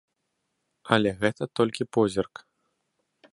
Але гэта толькі позірк.